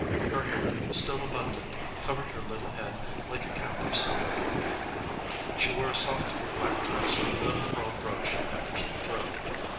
Her hair, still abundant, covered her little head like a cap of silver. She wore a soft black dress with a little pearl brooch at the throat.